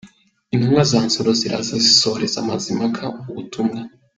Intumwa za Nsoro ziraza zisohoreza Mazimpaka ubutumwa.